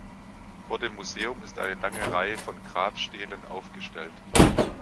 Vor dem Museum ist eine lange Reihe von Grabstelen aufgestellt.